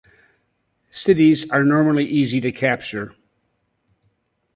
Cities are normally easy to capture.